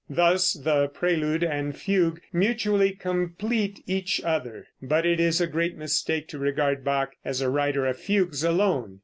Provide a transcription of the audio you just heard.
Thus the prelude and fugue mutually complete each other. But it is a great mistake to regard Bach as a writer of fugues alone.